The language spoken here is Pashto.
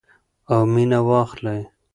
او مینه واخلئ.